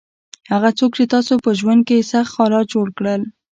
هغه څوک چې تاسو په ژوند کې یې سخت حالات جوړ کړل.